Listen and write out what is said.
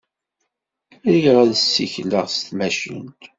Riɣ ad ssikleɣ s tmacint.